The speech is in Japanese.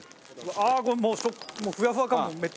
ああこのもうふわふわ感もめっちゃいい！